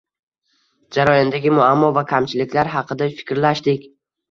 Jarayondagi muammo va kamchiliklar haqida fikrlashdik.